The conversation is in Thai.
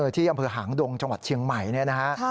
ที่อำเภอหางดงจังหวัดเชียงใหม่นะครับ